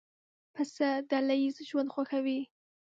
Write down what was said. پسه ډله ییز ژوند خوښوي.